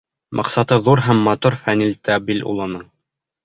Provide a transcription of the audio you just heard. Маҡсаты ҙур һәм матур Фәнил Табил улының.